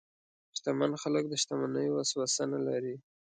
شتمن خلک د شتمنۍ وسوسه نه لري.